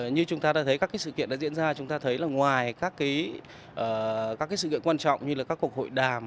như chúng ta đã thấy các sự kiện đã diễn ra chúng ta thấy là ngoài các sự kiện quan trọng như là các cuộc hội đàm